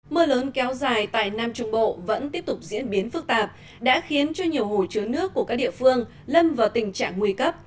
mưa lớn kéo dài tại nam trung bộ vẫn tiếp tục diễn biến phức tạp đã khiến cho nhiều hồ chứa nước của các địa phương lâm vào tình trạng nguy cấp